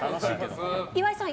岩井さん